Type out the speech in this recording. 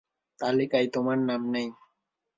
তালিকায় তোমার নাম নেই।